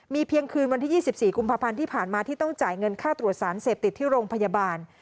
เพียงคืนวันที่๒๔กุมภาพันธ์ที่ผ่านมาที่ต้องจ่ายเงินค่าตรวจสารเสพติดที่โรงพยาบาล